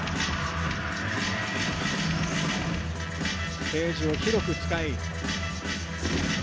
ステージを広く使い。